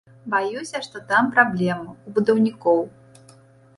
Баюся, што там праблемы, у будаўнікоў.